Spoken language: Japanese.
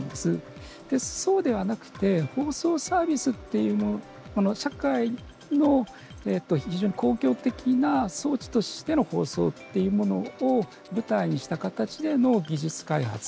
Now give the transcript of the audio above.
そうではなくて放送サービスっていう社会の非常に公共的な装置としての放送っていうものを舞台にした形での技術開発